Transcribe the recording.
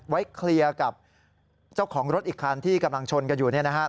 เคลียร์กับเจ้าของรถอีกคันที่กำลังชนกันอยู่